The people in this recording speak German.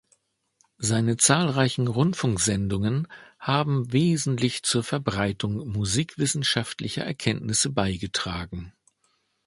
Seine zahlreichen Rundfunksendungen haben wesentlich zur Verbreitung musikwissenschaftlicher Erkenntnisse beigetragen.